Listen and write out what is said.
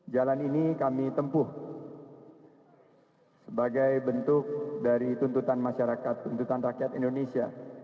jalan ini kami tempuh sebagai bentuk dari tuntutan masyarakat tuntutan rakyat indonesia